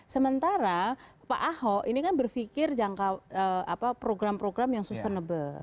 sementara pak ahok ini kan berpikir program program yang sustainable